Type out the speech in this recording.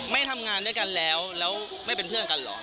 ไม่ทำงานด้วยกันแล้วแล้วไม่เป็นเพื่อนกันเหรอ